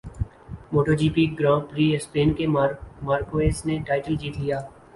motto G P grand prix Spain کے Marc Marquez نےٹائٹل جیت لیا